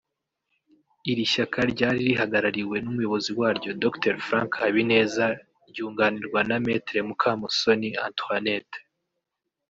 iri shyaka ryari rihagarariwe n’umuyobozi waryo Dr Frank Habineza ryunganirwa na Me Mukamusoni Antoinette